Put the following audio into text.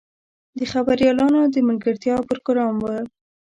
د خبریالانو د ملګرتیا پروګرام و.